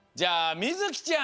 みずきちゃん